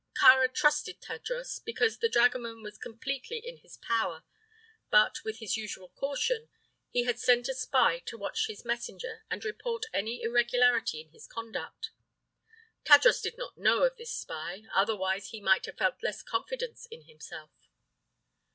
Kāra trusted Tadros because the dragoman was so completely in his power; but, with his usual caution, he had sent a spy to watch his messenger and report any irregularity in his conduct. Tadros did not know of this spy; otherwise, he might have felt less confidence in himself.